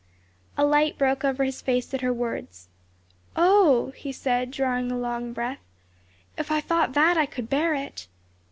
A light broke over his face at her words, "Oh!" he said drawing a long breath, "if I thought that I could bear it."